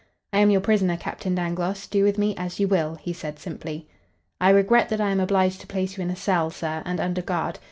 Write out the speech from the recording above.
"I am your prisoner, Captain Dangloss. Do with me as you will," he said, simply. "I regret that I am obliged to place you in a cell, sir, and under guard.